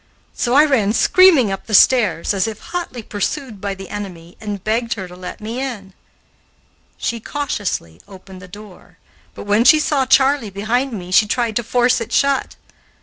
So I ran screaming up the stairs, as if hotly pursued by the enemy, and begged her to let me in. She cautiously opened the door, but when she saw Charley behind me she tried to force it shut.